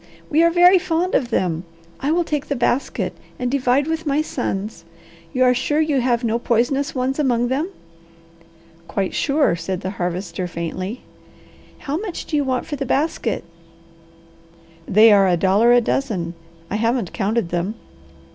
We are very fond of them. I will take the basket, and divide with my sons. You are sure you have no poisonous ones among them?" "Quite sure," said the Harvester faintly. "How much do you want for the basket?" "They are a dollar a dozen; I haven't counted them."